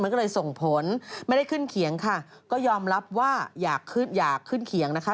มันก็เลยส่งผลไม่ได้ขึ้นเขียงค่ะก็ยอมรับว่าอยากขึ้นอยากขึ้นเขียงนะคะ